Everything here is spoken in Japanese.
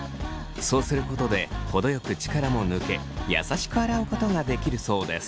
そうすることで程よく力も抜け優しく洗うことができるそうです。